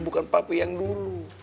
bukan papi yang dulu